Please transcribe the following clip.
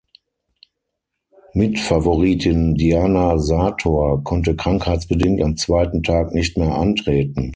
Mitfavoritin Diana Sartor konnte krankheitsbedingt am zweiten Tag nicht mehr antreten.